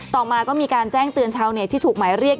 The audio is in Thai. ต่อมาก็มีการแจ้งเตือนชาวเน็ตที่ถูกหมายเรียก